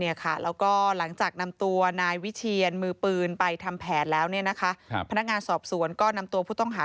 แล้วก็หลังจากนำตัวนายวิเชียนมือปืนไปทำแผนแล้วเนี่ยนะคะพนักงานสอบสวนก็นำตัวผู้ต้องหา